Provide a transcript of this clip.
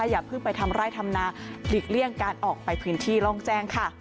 อย่าเพิ่งไปทำไร่ทำนาหลีกเลี่ยงการออกไปพื้นที่ร่องแจ้งค่ะ